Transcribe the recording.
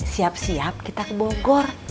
siap siap kita ke bogor